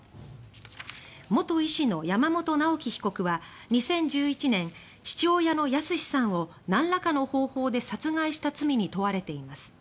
元医師の山本直樹被告は２０１１年父親の靖さんを殺害した罪に問われています。